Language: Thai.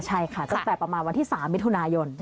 ใช่ค่ะตั้งแต่ประมาณวันที่๓มิถุนายน